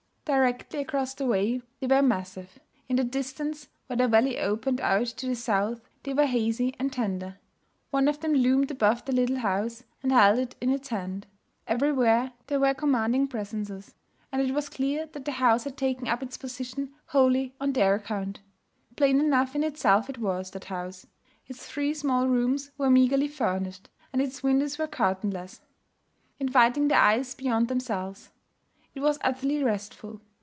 Directly across the way, they were massive; in the distance, where the valley opened out to the south, they were hazy and tender. One of them loomed above the little house, and held it in its hand. Everywhere, they were commanding presences; and it was clear that the house had taken up its position wholly on their account. Plain enough in itself it was, that house. Its three small rooms were meagrely furnished; and its windows were curtainless, inviting the eyes beyond themselves. It was utterly restful.